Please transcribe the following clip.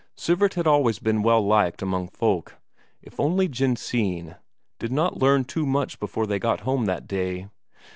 Sivert had always been well liked among folk. If only Jensine did not learn too much before they got home that day!